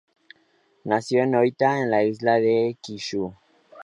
Nació en Oita, en la isla de Kyushu.